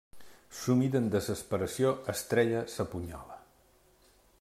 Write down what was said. Sumida en desesperació, Estrella s'apunyala.